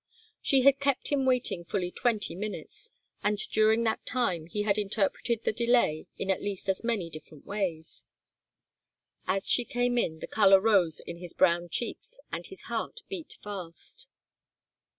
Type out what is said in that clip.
She had kept him waiting fully twenty minutes, and during that time he had interpreted the delay in at least as many different ways. As she came in, the colour rose in his brown cheeks and his heart beat fast.